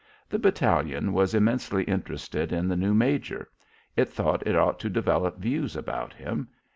The battalion was immensely interested in the new major. It thought it ought to develop views about him.